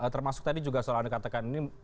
termasuk tadi juga soalan dikatakan ini